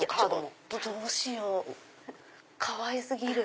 どうしようかわい過ぎる！